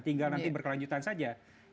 tinggal nanti berkelanjutan saja